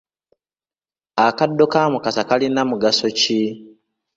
Akaddo ka Mukasa kalina mugaso ki?